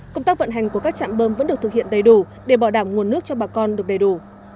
công tác vận hành của các trạm bơm vẫn được thực hiện đầy đủ để bảo đảm nguồn nước cho bà con được đầy đủ